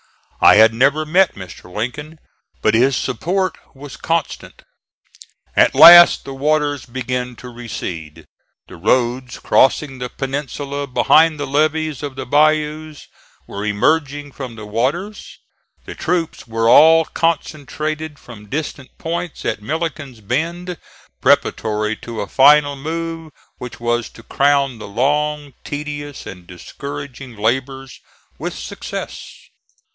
I had never met Mr. Lincoln, but his support was constant. At last the waters began to recede; the roads crossing the peninsula behind the levees of the bayous, were emerging from the waters; the troops were all concentrated from distant points at Milliken's Bend preparatory to a final move which was to crown the long, tedious and discouraging labors with success.